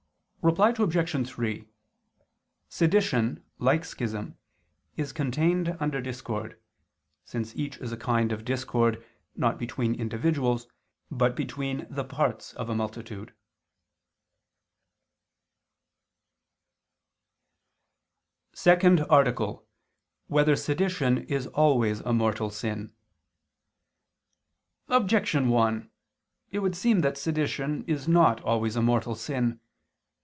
Reply Obj. 3: Sedition, like schism, is contained under discord, since each is a kind of discord, not between individuals, but between the parts of a multitude. _______________________ SECOND ARTICLE [II II, Q. 42, Art. 2] Whether Sedition Is Always a Mortal Sin? Objection 1: It would seem that sedition is not always a mortal sin.